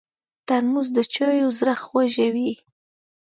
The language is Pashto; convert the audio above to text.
ترموز د چایو زړه خوږوي.